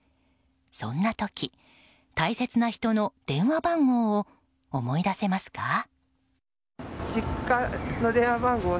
そんな時、大切な人の電話番号を思い出せますか？